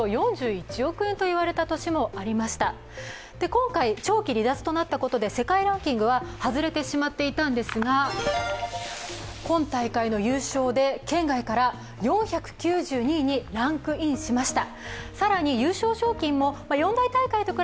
今回の長期離脱となったことで世界ランキングは外れてしまっていたんですが今大会の優勝で圏外から４９２位にランクインしました。